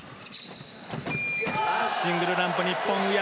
シングルランプ、日本、宇山。